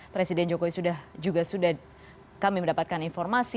presiden jokowi sudah juga sudah kami mendapatkan informasi